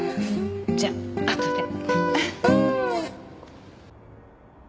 じゃああとで。